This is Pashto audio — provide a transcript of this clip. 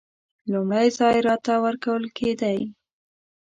لومړی ځای راته ورکول کېدی.